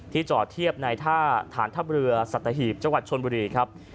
ที่จอดเทียบในฐานธับเรือสัตธิบจังหวัดชนบุรีครับ